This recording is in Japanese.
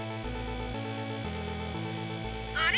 あれ？